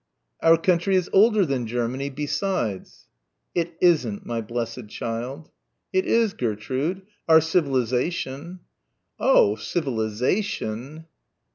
"Our country is older than Germany, besides " "It isn't, my blessed child." "It is, Gertrude our civilisation." "Oh, civilisation."